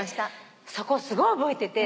そこすごい覚えてて。